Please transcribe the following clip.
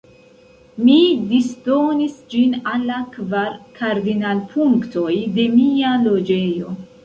Mi disdonis ĝin al la kvar kardinalpunktoj de mia loĝejo.